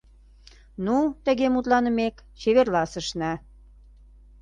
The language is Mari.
Ну, тыге мутланымек, чеверласышна.